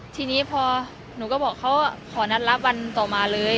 ทีนี้พอหนูก็บอกเขาขอนัดรับวันต่อมาเลย